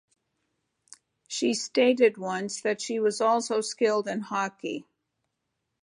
She stated once that she was also skilled in hockey.